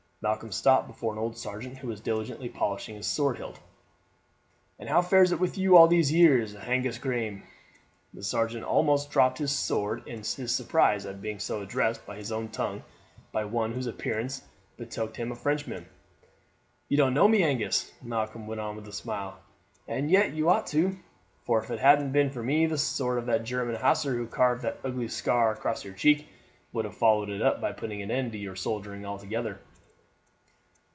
Malcolm stopped before an old sergeant who was diligently polishing his sword hilt. "And how fares it with you all these years, Angus Graeme?" The sergeant almost dropped his sword in his surprise at being so addressed in his own tongue by one whose appearance betokened him a Frenchman. "You don't know me, Angus," Malcolm went on with a smile; "and yet you ought to, for if it hadn't been for me the sword of the German hussar who carved that ugly scar across your cheek would have followed it up by putting an end to your soldiering altogether."